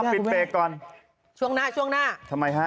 ปิดเฟคก่อนช่วงหน้าช่วงหน้าสงครามทำไมฮะ